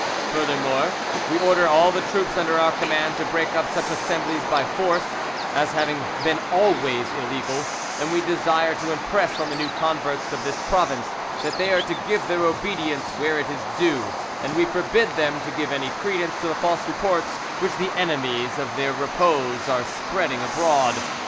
"Furthermore, we order all the troops under our command to break up such assemblies by force, as having been always illegal, and we desire to impress on the new converts of this province that they are to give their obedience where it is due, and we forbid them to give any credence to the false reports which the enemies of their repose are spreading abroad.